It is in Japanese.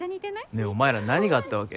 ねえお前ら何があったわけ？